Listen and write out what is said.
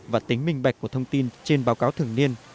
và tính minh bạch của thông tin trên báo cáo thường niên